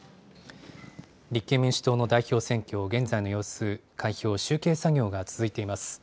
立憲民主党の代表選挙、現在の様子、開票集計作業が続いています。